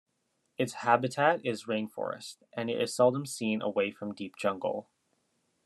Its habitat is rainforest, and it is seldom seen away from deep jungle.